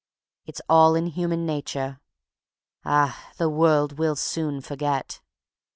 It's all in human nature. Ah! the world will soon forget.